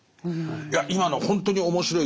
いや今のほんとに面白い。